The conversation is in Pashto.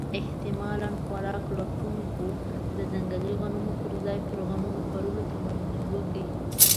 احتمالاً خوراک لټونکو د ځنګلي غنمو پر ځای پر غنمو کرلو تمرکز وکړ.